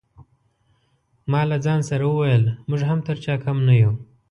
ما له ځان سره وویل موږ هم تر چا کم نه یو.